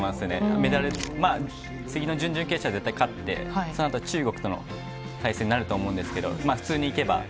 メダル、次の準々決勝は絶対勝って、そのあと中国との対戦になると思うんですけど、普通にいけば。